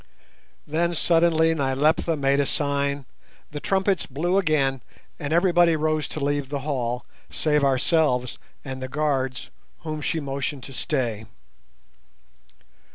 Then suddenly Nyleptha made a sign, the trumpets blew again, and everybody rose to leave the hall save ourselves and the guards, whom she motioned to stay.